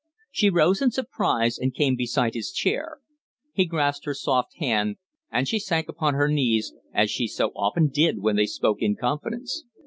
She rose in surprise, and came beside his chair. He grasped her soft hand, and she sank upon her knees, as she so often did when they spoke in confidence.